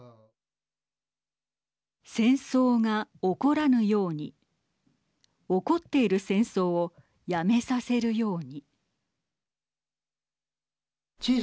戦争が起こらぬように起こっている戦争をやめさせるように。